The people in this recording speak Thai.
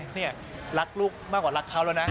ทุกเดือนเลยรักลูกมากกว่ารักเขาแล้วนะ